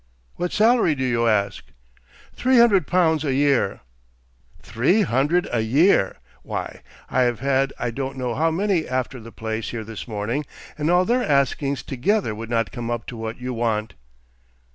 "What salary do you ask?" "Three hundred (pounds) a year." "Three hundred a year! Why, I have had I don't know how many after the place here this morning, and all their askings together would not come up to what you want."